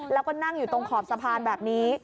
แล้วก็นั่งอยู่ตรงขอบสะพานแบบนี้